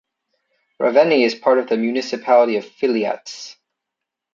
Raveni is part of the municipality of Filiates.